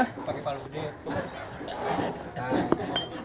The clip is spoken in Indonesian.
pakai palu gede